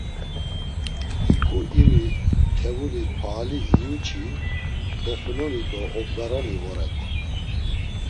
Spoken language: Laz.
Hiǩu iri tevuli pahali iyu-çi, doxunoni do obgaroni voret.